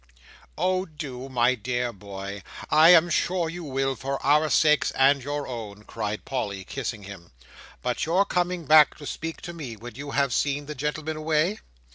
"Oh do, my dear boy! I am sure you will, for our sakes and your own!" cried Polly, kissing him. "But you're coming back to speak to me, when you have seen the gentleman away?"